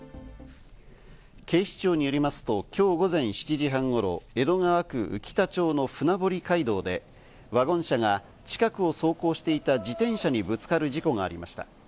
警視庁によりますと、今日午前７時半頃、江戸川区宇喜田町の船堀街道でワゴン車が近くを走行していた自転車にぶつかる事故がありました。